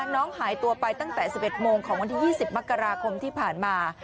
น้องหายตัวไปตั้งแต่๑๑โมงของวันที่๒๐มกราคมที่ผ่านมา